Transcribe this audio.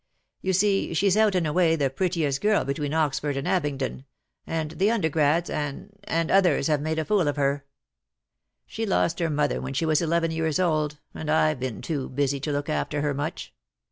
You see she's out and away the prettiest girl between Oxford and Abingdon, and the undergrads, and — and — others have made a fool of her. She lost her mother when she was eleven years old, and I've been too busy to look after her much.